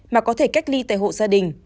mà có thể cách ly tại hộ gia đình